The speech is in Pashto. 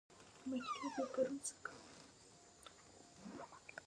د نخودو شوروا ډیره خوندوره ده.